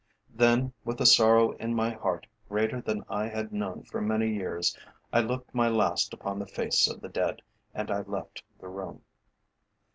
Then, with a sorrow in my heart greater than I had known for many years, I looked my last upon the face of the dead, and I left the room.